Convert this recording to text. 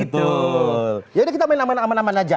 betul yaudah kita main aman aman aja